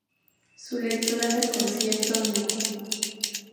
Su lectura del Concierto No.